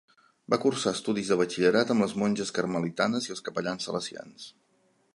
Va cursar estudis de batxillerat amb les monges carmelitanes i els capellans salesians.